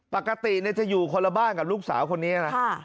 ปกติจะอยู่คนละบ้านกับลูกสาวคนนี้นะ